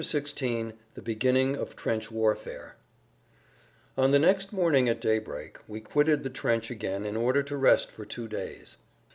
[Pg 130] XVI THE BEGINNING OF TRENCH WARFARE On the next morning, at daybreak, we quitted the trench again in order to rest for two days.